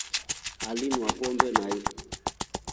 Aliinwa pombe nai.